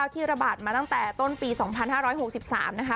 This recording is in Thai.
ที่ระบาดมาตั้งแต่ต้นปี๒๕๖๓นะคะ